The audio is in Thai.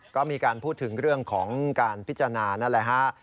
ก็มีการพูดถึงเรื่องของการพิจารณานั่นแหละฮะ